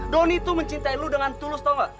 doni itu mencintai lo dengan tulus tau gak